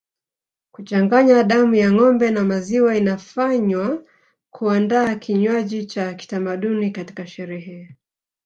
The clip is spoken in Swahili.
Kuchanganya damu ya ngombe na maziwa inafanywa kuandaa kinywaji cha kitamaduni katika sherehe